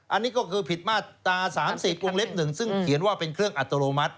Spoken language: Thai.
อันนี้ก็คือผิดมาตรา๓๐วงเล็บ๑ซึ่งเขียนว่าเป็นเครื่องอัตโนมัติ